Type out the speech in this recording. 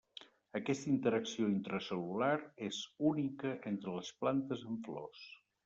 Aquesta interacció intracel·lular és única entre les plantes amb flors.